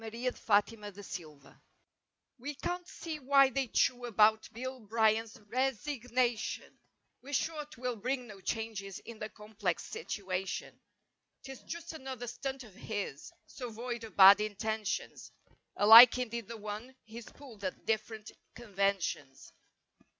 Bill!" 38 BRYAN'S RESIGNATION We can't see why they chew about Bill Bryan's resignation; We're sure 'twill bring no changes in The complex situation. 'Tis just another stunt of his, So void of bad intentions, Alike indeed the ones he's pulled At different conventions.